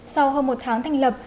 sau hôm một tháng thành lập